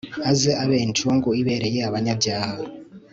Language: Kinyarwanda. aze abe incungu ibereye abanyabyaha